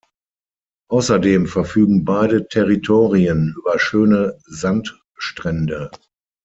Außerdem verfügen beide Territorien über schöne Sandstrände.